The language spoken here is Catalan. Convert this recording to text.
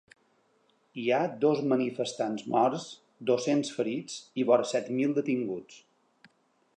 Hi ha dos manifestants morts, dos-cents ferits i vora set mil detinguts.